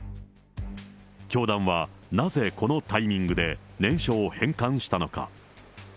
教団は、なぜこのタイミングで念書を返還したのか。